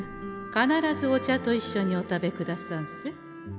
必ずお茶といっしょにお食べくださんせ。